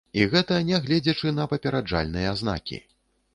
І гэта нягледзячы на папераджальныя знакі.